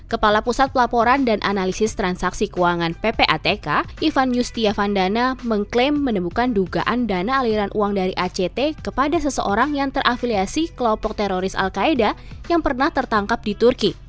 kepala pusat pelaporan dan analisis transaksi keuangan ppatk ivan yustiavandana mengklaim menemukan dugaan dana aliran uang dari act kepada seseorang yang terafiliasi kelompok teroris al qaeda yang pernah tertangkap di turki